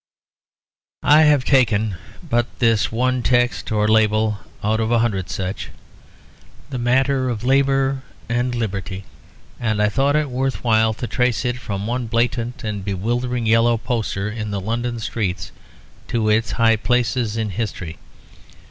I have taken but this one text or label, out of a hundred such, the matter of labour and liberty; and thought it worth while to trace it from one blatant and bewildering yellow poster in the London streets to its high places in history.